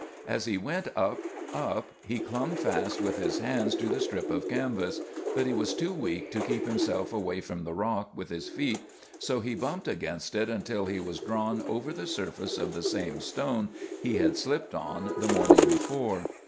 As he went up, up, he clung fast with his hands to the strip of canvas; but he was too weak to keep himself away from the rock with his feet, so he bumped against it until he was drawn over the surface of the same stone he had slipped on the morning before.